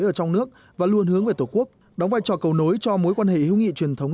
ở trong nước và luôn hướng về tổ quốc đóng vai trò cầu nối cho mối quan hệ hữu nghị truyền thống